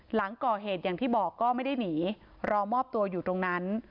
หลังก่อเหตุอย่างที่บอกก็ไม่ได้หนีรอมอบตัวอยู่ตรงนั้น